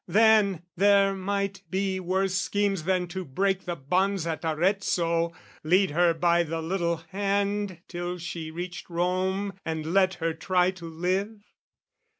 Then, There might be worse schemes than to break the bonds At Arezzo, lead her by the little hand, Till she reached Rome, and let her try to live?